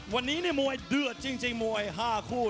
วันนี้มวยเดือดจริงมวย๕คู่